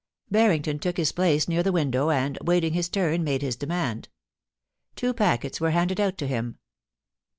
Barrington took his place near the window, and, waiting his turn, made his demand. Two packets were handed out to him.